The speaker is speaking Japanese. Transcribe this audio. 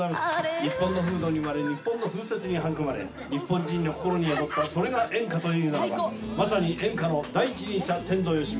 日本の風土に生まれ日本の風雪に育まれ日本人の心に宿ったそれが演歌というならばまさに演歌の第一人者天童よしみ。